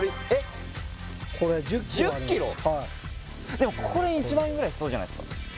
でもこれ１万円ぐらいしそうじゃないですか？